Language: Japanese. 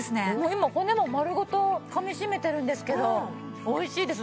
今骨も丸ごとかみ締めてるんですけど美味しいです。